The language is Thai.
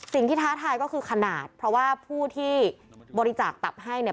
ท้าทายก็คือขนาดเพราะว่าผู้ที่บริจาคตับให้เนี่ย